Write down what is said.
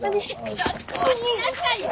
ちょっと待ちなさいよ